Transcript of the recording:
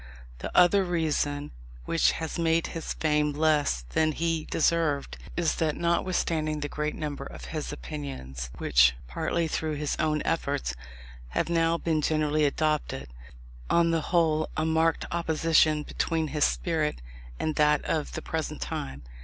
The other reason which has made his fame less than he deserved, is that notwithstanding the great number of his opinions which, partly through his own efforts, have now been generally adopted, there was, on the whole, a marked opposition between his spirit and that of the present time.